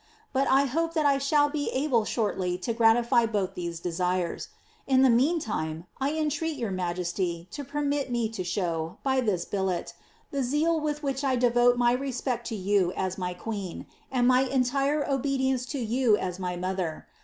But I hope that I shall be able shortly to gratify both these desires. In the meantime, I entreat your ma> jesty to permit me to show, by this billet, the zeal with which I devote my respect to you as my queen, and my entire obedience to you as to my mother.